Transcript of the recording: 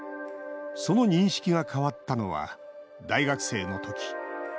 その認識が変わったのは大学生のとき。